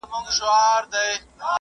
کېدای سي زه منډه ووهم!